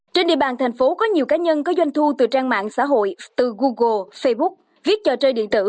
trên địa bàn thành phố có nhiều cá nhân có doanh thu từ trang mạng xã hội từ google facebook viết trò chơi điện tử